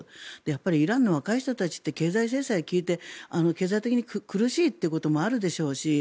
イランの若い人たちって経済制裁が効いて経済的に苦しいということもあるでしょうし